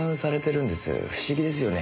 不思議ですよね？